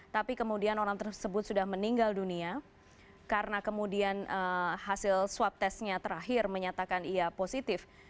tapi kemudian orang tersebut sudah meninggal dunia karena kemudian hasil swab testnya terakhir menyatakan ia positif